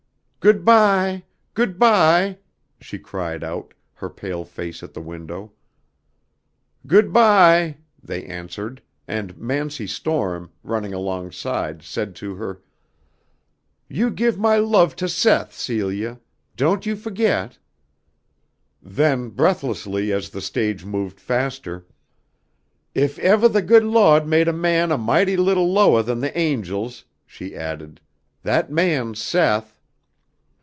"Good by, good by!" she cried out, her pale face at the window. "Good by," they answered, and Mansy Storm, running alongside, said to her: "You give my love to Seth, Celia. Don't you fo'get." Then breathlessly as the stage moved faster: "If evah the Good Lawd made a man a mighty little lowah than the angels," she added, "that man's Seth."